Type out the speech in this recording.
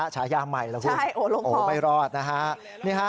ฉายาใหม่แล้วใช่โอลงคลองโอไม่รอดนะฮะนี่ฮะ